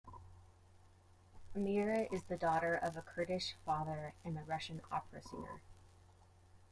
Amira is the daughter of a Kurdish father and a Russian opera singer.